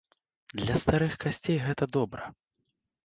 Для старых касцей гэта добра.